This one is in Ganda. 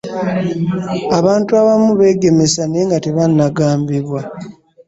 abantu abamu beegemesa naye nga tebannagambibwa.